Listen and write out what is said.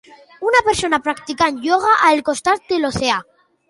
Una persona practicant ioga al costat de l'oceà